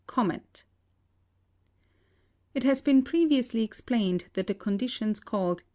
It has been previously explained that the conditions called.